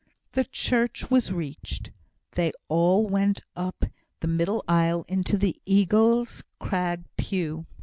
The church was reached. They all went up the middle aisle into the Eagle's Crag pew.